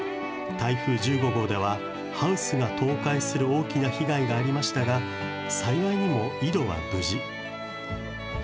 台風１５号ではハウスが倒壊する大きな被害がありましたが、幸いにも井戸は無事。